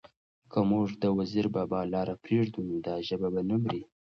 که موږ د وزیر بابا لاره پرېږدو؛ نو دا ژبه به نه مري،